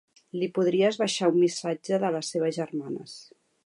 Li podries baixar un missatge de les seves germanes.